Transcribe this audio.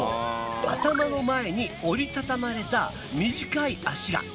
頭の前に折り畳まれた短い脚が。